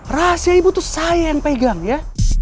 rahasia ibu tuh saya yang pegang ya